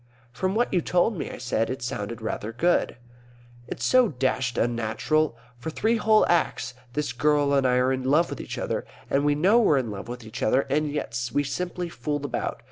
"From what you told me," I said, "it sounded rather good." "It's so dashed unnatural. For three whole Acts this girl and I are in love with each other, and we know we're in love with each other, and yet we simply fool about.